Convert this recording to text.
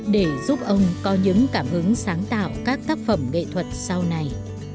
để giúp ông có những cảm hứng sáng tạo các tác phẩm nghệ thuật sau này